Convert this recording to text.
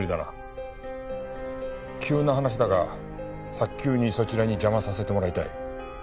急な話だが早急にそちらに邪魔させてもらいたい。